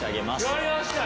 やりました。